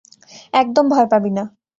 একদম ভয় পাবি না।